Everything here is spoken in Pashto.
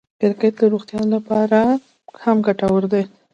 کرکټ د روغتیا له پاره هم ګټور دئ.